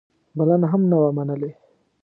بلنه هم نه وه منلې.